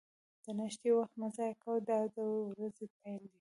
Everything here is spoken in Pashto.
د ناشتې وخت مه ضایع کوه، دا د ورځې پیل دی.